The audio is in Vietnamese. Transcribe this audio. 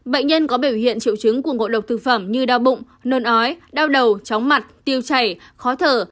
bệnh nhân có biểu hiện triệu chứng của ngộ độc thực phẩm như đau bụng nôn ói đau đầu chóng mặt tiêu chảy khó thở